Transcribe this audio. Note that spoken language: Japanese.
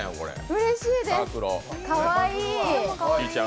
うれしいです、かわいい。